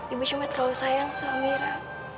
ibu cuma terlalu sayang sama mira